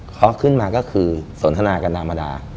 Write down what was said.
เขาขึ้นมาก็คือสนทนากันธรรมดา